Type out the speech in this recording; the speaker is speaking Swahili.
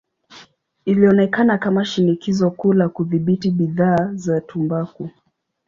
Ilionekana kama shinikizo kuu la kudhibiti bidhaa za tumbaku.